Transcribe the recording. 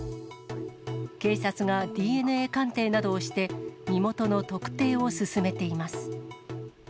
警察がＤＮＡ鑑定などをして、身元の特定を進めています。